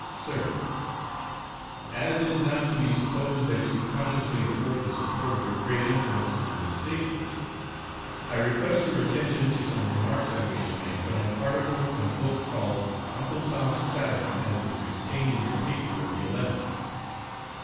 Sir, As it is not to be supposed that you consciously afford the support of your great influence to misstatements, I request your attention to some remarks I wish to make on an article on a book called 'Uncle Tom's Cabin as it is,' contained in your paper of the 11th.